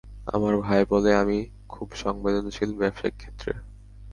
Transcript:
আমার ভাই বলে, আমি খুব সংবেদনশীল ব্যবসায়িক ক্ষেত্রে।